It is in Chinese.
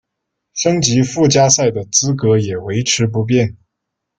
升级附加赛的资格也维持不变。